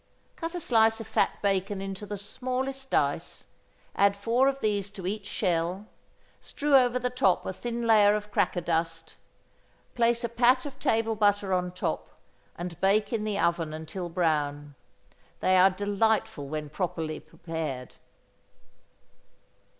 Cut a slice of fat bacon into the smallest dice, add four of these to each shell, strew over the top a thin layer of cracker dust, place a pat of table butter on top, and bake in the oven until brown. They are delightful when properly prepared.